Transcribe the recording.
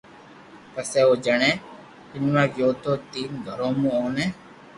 پسي او جڻي پينوا گيو تو تين گھرو مون اوني